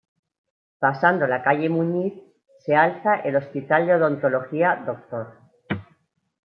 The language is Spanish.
Pasando la calle Muñiz se alza el Hospital de Odontología Dr.